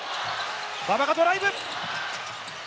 馬場がドライブ。